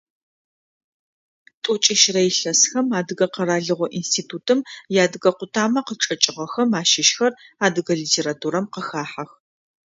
Тӏокӏищрэ илъэсхэм Адыгэ къэралыгъо институтым иадыгэ къутамэ къычӏэкӏыгъэхэм ащыщхэр адыгэ литературэм къыхахьэх.